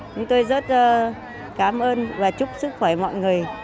chúng tôi rất cảm ơn và chúc sức khỏe mọi người